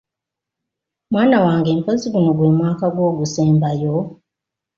Mwana wange mpozzi guno gwe mwaka gwo ogusembayo?